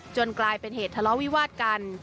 กลายเป็นเหตุทะเลาะวิวาดกัน